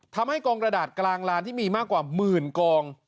ทำให้กองกระดาษกลางลานที่มีมากกว่าหมื่นกอง